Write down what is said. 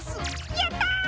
やった！